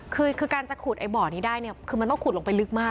คือการจะขุดบ่อนี้ได้มันต้องขุดลงไปลึกมาก